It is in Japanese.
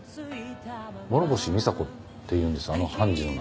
諸星美沙子っていうんですあの判事の名前。